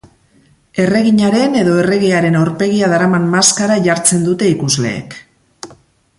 Erreginaren edo erregearen aurpegia daraman maskara jartzen dute ikusleek.